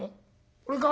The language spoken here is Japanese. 「俺か？